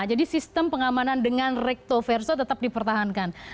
jadi sistem pengamanan dengan recto verso tetap dipertahankan